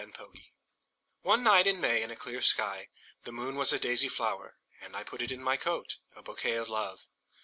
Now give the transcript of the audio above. My Flower ONE night in May in a clear skyThe moon was a daisy flower:And! put it in my coat,A bouquet of Love!